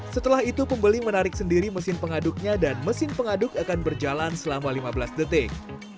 setelah itu pembeli menarik sendiri mesin pengaduknya dan mesin pengaduk akan berjalan selama lima belas detik